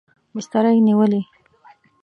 بستره یې نیولې.